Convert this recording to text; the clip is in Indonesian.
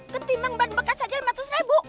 ketimbang ban bekas saja lima ratus ribu